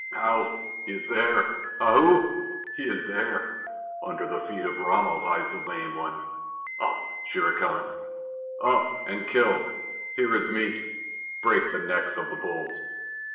Ow! He is there. Ahoo! He is there. Under the feet of Rama lies the Lame One! Up, Shere Khan! Up and kill! Here is meat; break the necks of the bulls!